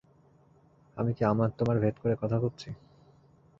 আমি কি আমার-তোমার ভেদ করে কথা কচ্ছি?